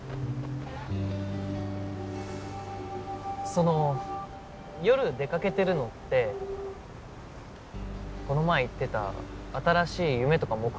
その夜出かけてるのってこの前言ってた新しい夢とか目標絡み？